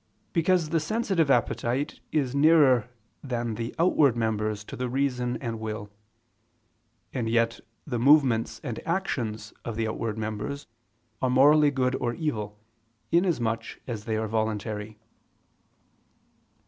Because the sensitive appetite is nearer than the outward members to the reason and will; and yet the movements and actions of the outward members are morally good or evil, inasmuch as they are voluntary.